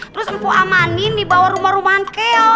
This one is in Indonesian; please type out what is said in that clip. terus empo amanin di bawah rumah rumah keo